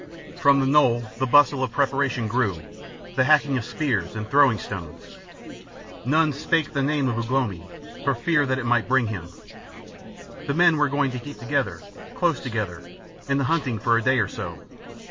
From the knoll the bustle of preparation grew, the hacking of spears and throwing stones. None spake the name of Ugh lomi for fear that it might bring him. The men were going to keep together, close together, in the hunting for a day or so.